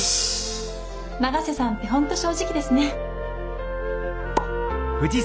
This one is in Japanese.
永瀬さんって本当正直ですね。